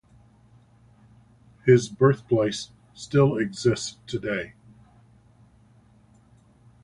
His birthplace still exists today.